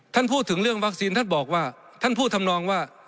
ท่านพูดถึงเรื่องวัคซีนท่านบอกว่าท่านพูดทำนองว่า